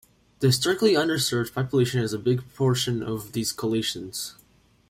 The historically underserved population is a big portion of these coalitions.